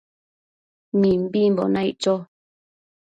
Mimbimbo naic cho